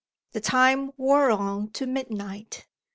The time wore on to midnight.